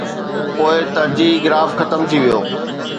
پوءِ ترجيحي گراف ختم ٿي ويو.